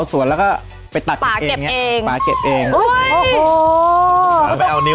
ให้พี่ป๊อมวันลูกนี้